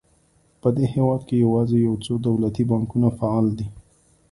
په دې هېواد کې یوازې یو څو دولتي بانکونه فعال دي.